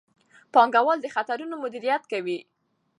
پانګوال د خطرونو مدیریت کوي.